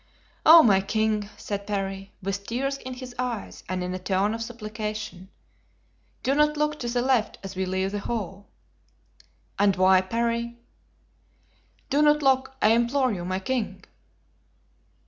"Oh, my king," said Parry, with tears in his eyes and in a tone of supplication, "do not look to the left as we leave the hall." "And why, Parry?" "Do not look, I implore you, my king."